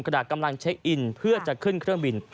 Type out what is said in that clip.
ขณะกำลังเช็คอินเพื่อจะขึ้นเครื่องบิน